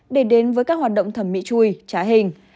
để đến với các hoạt động thẩm mỹ chui trá hình